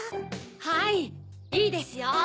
はいいいですよ！